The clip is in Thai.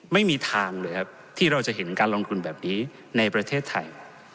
ไม่มีทางเลยครับที่เราจะเห็นการลงทุนแบบนี้ในประเทศไทย